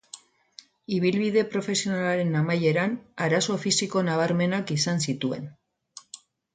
Ibilbide profesionalaren amaieran, arazo fisiko nabarmenak izan zituen.